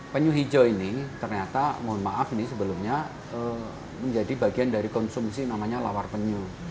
penyu hijau ini ternyata mohon maaf ini sebelumnya menjadi bagian dari konsumsi namanya lawar penyu